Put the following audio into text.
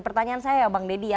pertanyaan saya ya bang deddy